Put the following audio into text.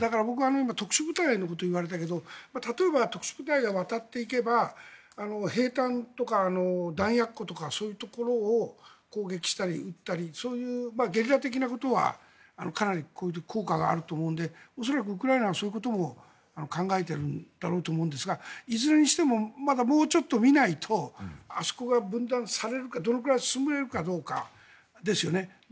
今、特殊部隊のことを言われたけど例えば、特殊部隊が渡っていけば兵たんとか弾薬庫とかそういうところを攻撃したり撃ったりそういうゲリラ的なことはかなり効果があると思うので恐らくウクライナはそういうことも考えているんだろうと思うんですがいずれにしてもまだもうちょっと見ないとあそこが分断されるかどのぐらい進められるかですよね。